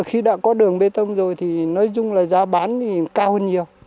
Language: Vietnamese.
khi đã có đường bê tông rồi thì nói chung là giá bán thì cao hơn nhiều